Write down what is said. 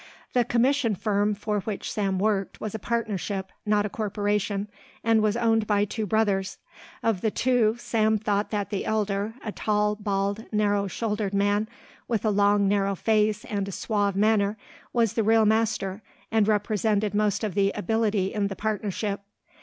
The commission firm for which Sam worked was a partnership, not a corporation, and was owned by two brothers. Of the two Sam thought that the elder, a tall, bald, narrow shouldered man, with a long narrow face and a suave manner, was the real master, and represented most of the ability in the partnership.